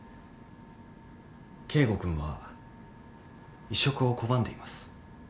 圭吾君は移植を拒んでいます。